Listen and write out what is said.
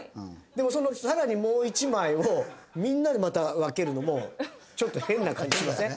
でも更にもう１枚をみんなでまた分けるのもちょっと変な感じしません？